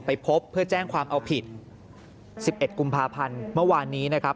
พบเพื่อแจ้งความเอาผิด๑๑กุมภาพันธ์เมื่อวานนี้นะครับ